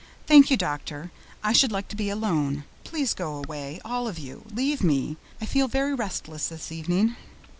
"Thank you, Doctor. I should like to be alone. Please go away, all of you. Leave me. I feel very restless this evening."